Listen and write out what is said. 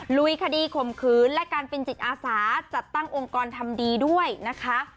ลุยคดีข่มขืนและการเป็นจิตอาสาจัดตั้งองค์กรทำดีด้วยนะคะ